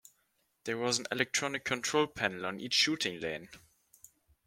There was an electronic control panel on each shooting lane.